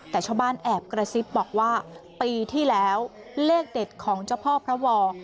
แต่ชาวบ้านแอบกระซิบบอกว่าปีที่แล้วเลขเด็ดของเจ้าพ่อพระวอร์